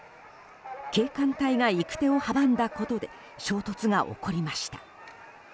警官隊が行く手を阻んだことで衝突が起こりました。